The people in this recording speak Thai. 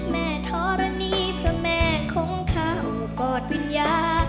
แม่ทรณีพระแม่คงเข้ากอดวิญญาณ